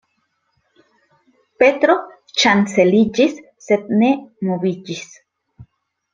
Petro ŝanceliĝis, sed ne moviĝis.